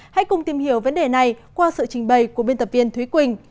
hãy cùng tìm hiểu vấn đề này qua sự trình bày của biên tập viên thúy quỳnh